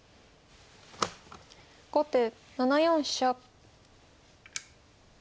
後手７四飛車。